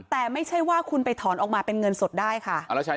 แต่ไม่ใช่ว่าคุณไปถอนออกมาเป็นเงินสดได้ค่ะ